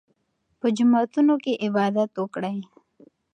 په جوماتونو کې عبادت وکړئ.